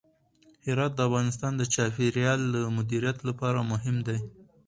هرات د افغانستان د چاپیریال د مدیریت لپاره مهم دی.